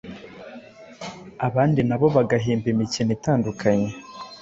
Abandi na bo bagahimba imikino itandukanye,